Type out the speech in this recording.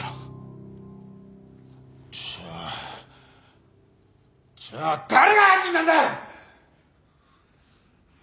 じゃあじゃあ誰が犯人なんだよ！？